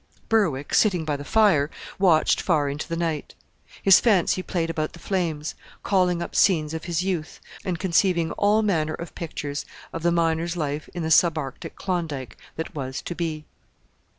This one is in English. Berwick, sitting by the fire, watched far into the night. His fancy played about the flames, calling up scenes of his youth, and conceiving all manner of pictures of the miner's life in the sub Arctic Klondike that was to be.